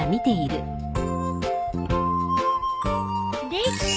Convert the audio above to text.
できた！